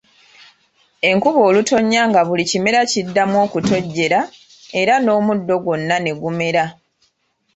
Enkuba olutonya nga buli kimera kiddamu okutojjera era n'omuddo gwonna ne gumera.